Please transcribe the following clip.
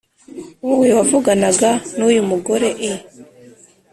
wowe wavuganaga n’uyu mugore i